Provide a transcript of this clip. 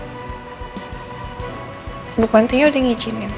tapi emangnya bukantinya udah ngijinin